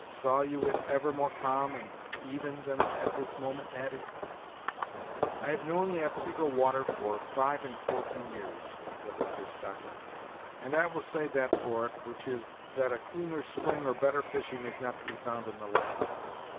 Saw you it ever more calm and even than at this moment, Natty?" "I have known the Otsego water for five and forty years," said Leather Stocking, "and I will say that for it, which is, that a cleaner spring or better fishing is not to be found in the land.